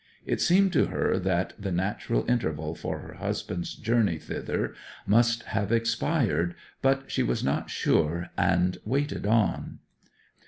It seemed to her that the natural interval for her husband's journey thither must have expired; but she was not sure, and waited on.